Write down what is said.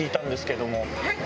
はい！